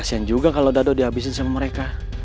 kasian juga kalau dada dihabisin sama mereka